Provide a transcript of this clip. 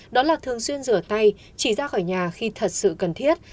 đó là thường xuyên rửa tay chỉ ra khỏi nhà khi thật sự cần thiết